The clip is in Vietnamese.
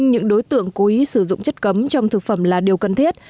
những đối tượng cố ý sử dụng chất cấm trong thực phẩm là điều cần thiết